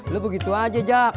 lu begitu aja